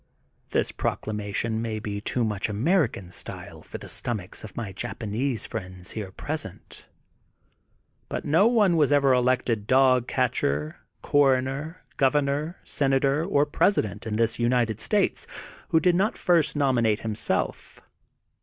This proclamation may be too much American style for the stomachs of my Japanese friends here present. But no one was ever elected dog catcher, coroner, governor, senator, or presi dent, in this United States, who did not first nominate himself.